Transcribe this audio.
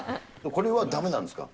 これはだめなんですか？